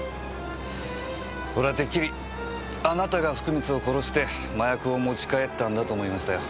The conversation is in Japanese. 俺はてっきりあなたが福光を殺して麻薬を持ち帰ったんだと思いましたよ。